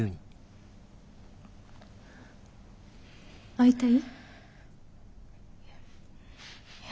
会いたい？